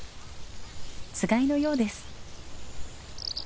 つがいのようです。